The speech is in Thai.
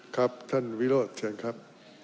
ครับท่านวิโรธเชิญครับ